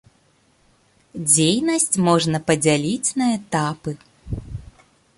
Дзейнасць можна падзяліць на этапы.